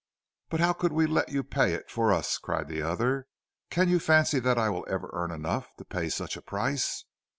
"But how could we let you pay it for us?" cried the other. "Can you fancy that I will ever earn enough to pay such a price?"